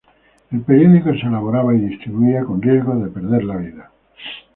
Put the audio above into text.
El periódico se elaboraba y distribuía, con riesgo de perder la vida.